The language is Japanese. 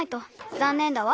ざんねんだわ。